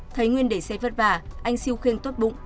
thấy nguyên để xe vất vả anh siêu khiêng tốt bụng